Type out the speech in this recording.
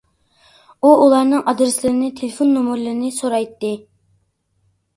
ئۇ ئۇلارنىڭ ئادرېسلىرىنى، تېلېفون نومۇرلىرىنى سورايتتى.